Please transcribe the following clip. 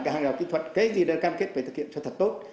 các hàng rào kỹ thuật cái gì đã cam kết với thực hiện cho thật tốt